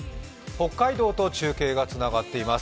北海道と中継がつながっています。